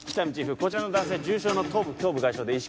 こちらの男性重傷の頭部胸部外傷で意識